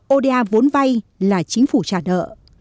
ô đa vốn vay là chính phủ trả nợ